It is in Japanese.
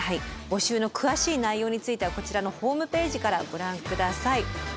募集の詳しい内容についてはこちらのホームページからご覧下さい。